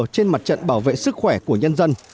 trên mặt trận bảo vệ sức khỏe của nhân dân